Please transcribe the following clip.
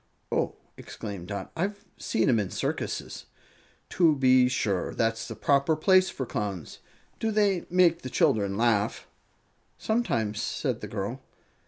"Oh!" exclaimed Dot. "I've seen 'em in circuses." "To be sure; that's the proper place for Clowns. Do they make the children laugh?" "Sometimes," said the girl.